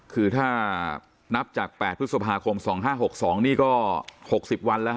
คือถ้านับจาก๘พฤษภาคม๒๕๖๒นี่ก็๖๐วันแล้วฮ